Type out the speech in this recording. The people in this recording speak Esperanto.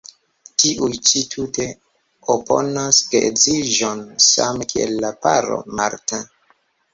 Tiuj ĉi tute oponas geedziĝon, same kiel la paro Martin.